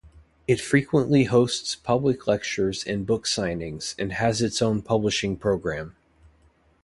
It frequently hosts public lectures and book signings, and has its own publishing program.